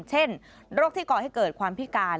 เช่นโรคที่ก่อให้เกิดความพิการ